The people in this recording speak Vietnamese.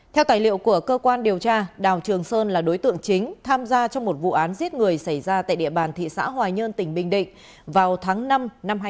theo tài liệu của cơ quan điều tra đào trường sơn là đối tượng chính tham gia trong một vụ án giết người xảy ra tại địa bàn thị xã hòa nhơn tỉnh bình định vào tháng năm năm hai nghìn hai mươi ba